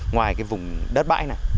ngoài cái vùng đất bãi này